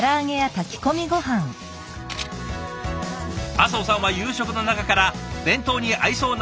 阿相さんは夕食の中から弁当に合いそうなものを選び